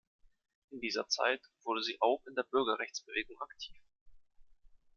In dieser Zeit wurde sie auch in der Bürgerrechtsbewegung aktiv.